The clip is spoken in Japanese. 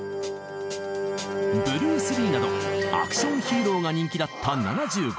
ブルース・リーなどアクション・ヒーローが人気だった７５年。